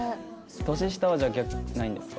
年下はじゃあないんですか？